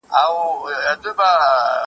شیخ له زمانو راته په قار دی بیا به نه وینو ,